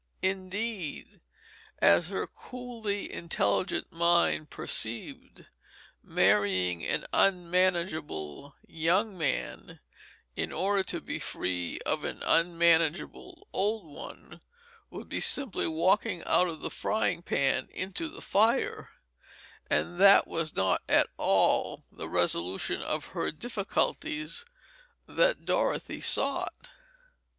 Indeed, as her coolly intelligent mind perceived, marrying an unmanageable young man in order to be free of an unmanageable old one would be simply walking out of the frying pan into the fire and that was not at all the resolution of her difficulties that Dorothy sought.